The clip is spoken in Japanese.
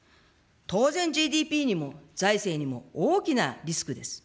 当然、ＧＤＰにも財政にも大きなリスクです。